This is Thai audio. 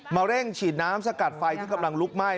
เร่งฉีดน้ำสกัดไฟที่กำลังลุกไหม้